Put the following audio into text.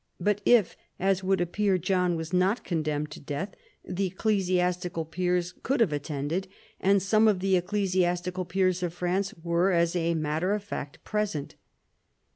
But if, as would appear, John was not con demned to death, the ecclesiastical peers could have attended, and some of the ecclesiastical peers of France were as a matter of fact present.